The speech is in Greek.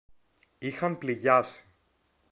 είχαν πληγιάσει.